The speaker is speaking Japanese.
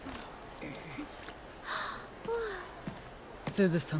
すずさん。